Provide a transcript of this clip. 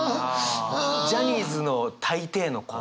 ジャニーズの大抵の子は。